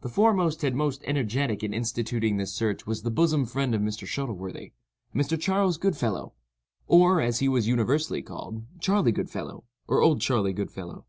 The foremost and most energetic in instituting this search was the bosom friend of Mr. Shuttleworthy—a Mr. Charles Goodfellow, or, as he was universally called, "Charley Goodfellow," or "Old Charley Goodfellow."